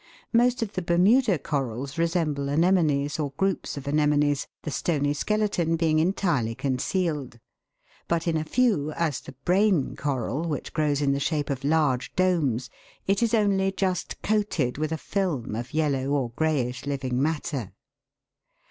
Most of the Bermuda corals resemble anemones or groups of anemones, the stony skeleton being entirely con cealed ; but in a few, as the brain coral, which grows in the shape of large domes, it is only just coated with a film of yellow or greyish living matter.